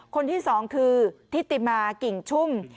คนที่สองคือทิติมากิ่งชุ่ม